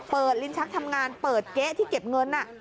ลิ้นชักทำงานเปิดเก๊ะที่เก็บเงิน